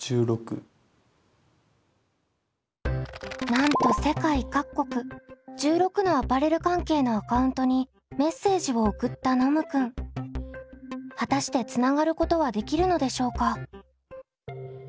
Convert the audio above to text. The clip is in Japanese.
なんと世界各国１６のアパレル関係のアカウントにメッセージを送ったノムくん。果たしてつながることはできるのでしょうか？